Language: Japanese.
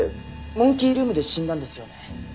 モンキールームで死んだんですよね？